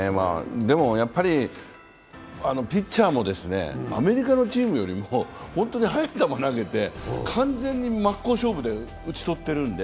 でも、やっぱりピッチャーもアメリカのチームよりも速い球を投げて、完全に真っ向勝負で打ち取ってるんで。